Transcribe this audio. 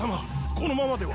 このままでは。